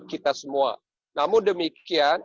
kita semua namun demikian